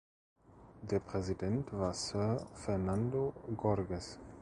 Der Präsident war Sir Ferdinando Gorges.